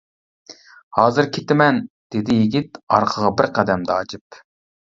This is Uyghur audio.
-ھازىر كېتىمەن-دېدى يىگىت ئارقىغا بىر قەدەم داجىپ.